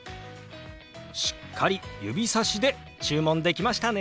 しっかり指さしで注文できましたね。